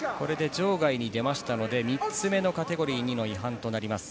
場外に出ましたので３つ目のカテゴリー２の違反となります。